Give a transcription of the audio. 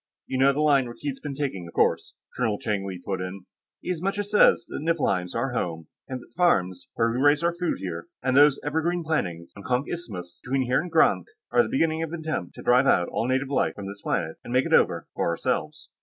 "You know the line Rakkeed's been taking, of course," Colonel Cheng Li put in. "He as much as says that Niflheim's our home, and that the farms where we raise food here, and those evergreen plantings on Konk Isthmus and between here and Grank are the beginning of an attempt to drive all native life from this planet and make it over for ourselves."